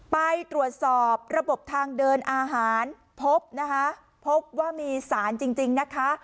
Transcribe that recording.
ไปตรวจสอบระบบทางเดินอาหารพบนะคะพบว่ามีสารจริงนะคะ